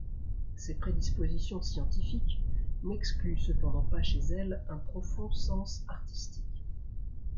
Ses prédispositions scientifiques n’excluent cependant pas chez elle un profond sens artistique.